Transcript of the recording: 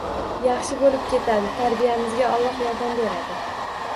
Yaxshi bo'lib ketadi. Tarbiyamizga Alloh yordam beradi.